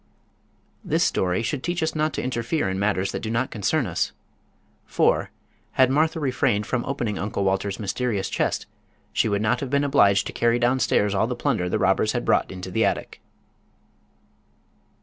This story should teach us not to interfere in matters that do not concern us. For had Martha refrained from opening Uncle Walter's mysterious chest she would not have been obliged to carry downstairs all the plunder the robbers had brought into the attic.